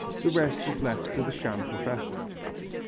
The rest is left to the sham professor.